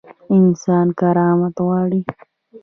انسان کرامت غواړي